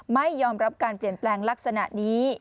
ไม่ยอมรับการเปลี่ยนแปลงลักษณะนี้